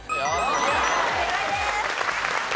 正解です。